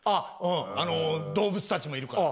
あの動物たちもいるから。